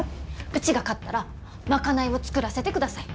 うちが勝ったら賄いを作らせてください！